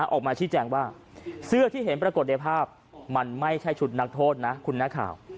ออกมาชี้แจงว่าเสื้อที่เห็นปรากฏในภาพมันไม่ใช่ชุดนักโทษนะคุณนักข่าว